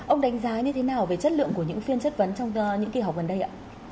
ông đánh giá như thế nào về chất lượng của những phiên chất vấn trong những kỳ họp gần đây ạ